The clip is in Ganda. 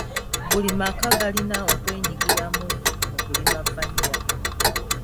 Buli maka galina okwenyigira mu kulima vanilla.